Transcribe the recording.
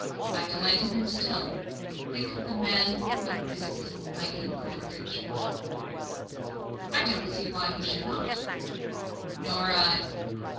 I delight in him still. Think of a man of business liking Coleridge." "I don't see why he should not." "Nor I.